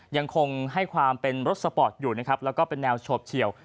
ยังคงให้ความเป็นรถสปอร์ตอยู่นะครับแล้วก็เป็นแนวโฉบเฉียว